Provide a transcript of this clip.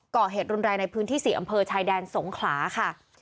ก่อเหตุรุนแรงในพื้นที่๔อำเภอชายแดนสงขลาค่ะ